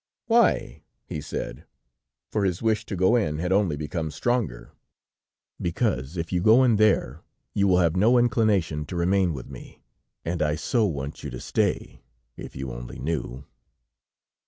"Why?" he said, for his wish to go in had only become stronger. "Because if you go in there, you will have no inclination to remain with me, and I so want you to stay. If you only knew!"